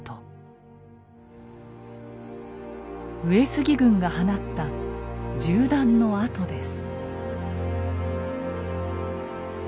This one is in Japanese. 上杉軍が放った銃弾の痕です。